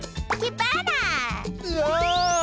うわ！